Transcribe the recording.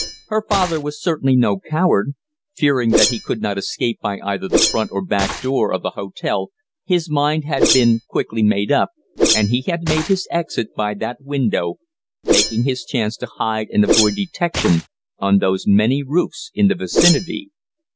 Her father was certainly no coward. Fearing that he could not escape by either the front or back door of the hotel his mind had been quickly made up, and he had made his exit by that window, taking his chance to hide and avoid detection on those many roofs in the vicinity.